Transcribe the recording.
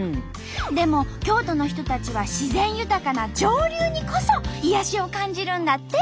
でも京都の人たちは自然豊かな上流にこそ癒やしを感じるんだって。